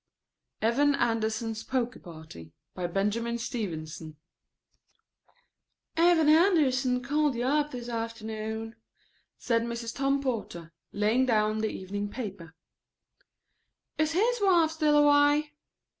EVAN ANDERSON'S POKER PARTY BY BENJAMIN STEVENSON "Evan Anderson called you up this afternoon," said Mrs. Tom Porter, laying down the evening paper. "Is his wife still away?"